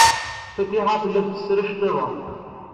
Fatiḥa tella tfesser iceḍḍiḍen.